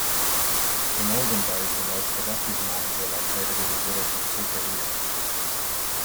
In olden days the most productive mines were located in the village of Sukariuh.